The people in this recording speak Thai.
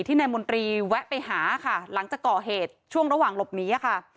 นายมนตรีแวะไปหาค่ะหลังจากก่อเหตุช่วงระหว่างหลบหนีค่ะ